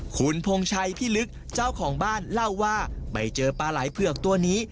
คุณพงชัยพิลึกเจ้าของบ้านเล่าว่าไปเจอปลาไหล่เผือกตัวนี้